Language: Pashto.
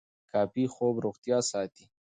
کافي خوب روغتیا ساتي.